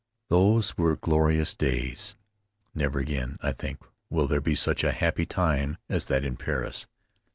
Those were glorious days! Never again, I think, will there be such a happy time as that in Paris.